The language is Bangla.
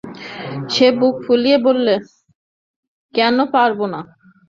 সে বুক ফুলিয়ে বললে, কেন পারব না?